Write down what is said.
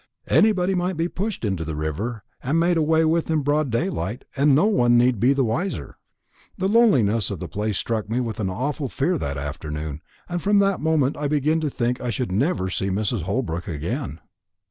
Anybody might be pushed into the river and made away with in broad daylight, and no one need be the wiser. The loneliness of the place struck me with an awful fear that afternoon, and from that moment I began to think that I should never see Mrs. Holbrook again."